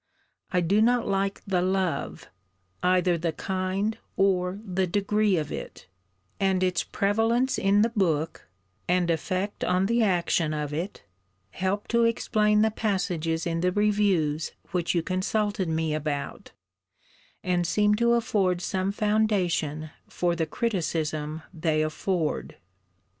I do not like the love either the kind or the degree of it and its prevalence in the book, and effect on the action of it, help to explain the passages in the reviews which you consulted me about, and seem to afford some foundation for the criticism they afford.'